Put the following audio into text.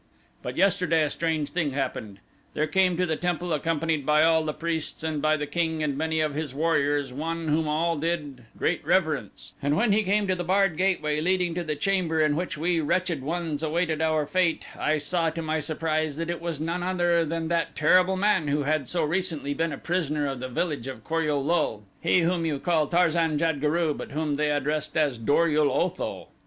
"But yesterday a strange thing happened. There came to the temple, accompanied by all the priests and by the king and many of his warriors, one whom all did great reverence, and when he came to the barred gateway leading to the chamber in which we wretched ones awaited our fate, I saw to my surprise that it was none other than that terrible man who had so recently been a prisoner in the village of Kor ul lul he whom you call Tarzan jad guru but whom they addressed as Dor ul Otho.